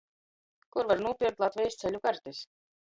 Kur var nūpierkt Latvejis ceļu kartis?